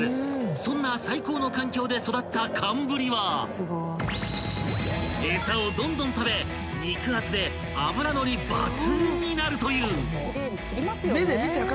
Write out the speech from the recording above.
［そんな最高の環境で育った寒ぶりはエサをどんどん食べ肉厚で脂乗り抜群になるという］